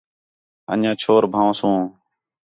اَن٘ڄیاں چور بھن٘ؤسوں